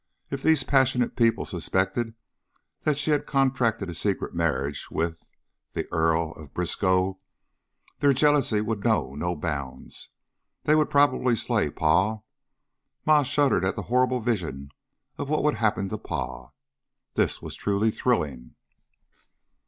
If these passionate people suspected that she had contracted a secret marriage with the the Earl of Briskow, their jealousy would know no bounds. They would probably slay Pa. Ma shuddered at the horrid vision of what would happen to Pa. This was truly thrilling.